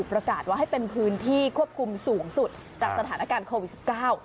ประกาศว่าให้เป็นพื้นที่ควบคุมสูงสุดจากสถานการณ์โควิดสิบเก้า